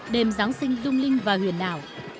đêm giáng sinh lung linh và huyền đảo